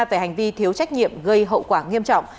về hành vi thiếu trách nhiệm gây hậu quả nghiêm trọng